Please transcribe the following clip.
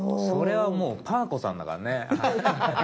それはもうパー子さんだからね。